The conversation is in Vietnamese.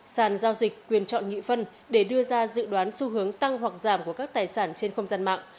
sàn giao dịch quyền chọn nghị phân để đưa ra dự đoán xu hướng tăng hoặc giảm của các tài sản trên không gian mạng